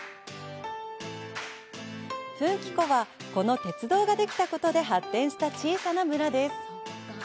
奮起湖は、この鉄道ができたことで発展した小さな村です。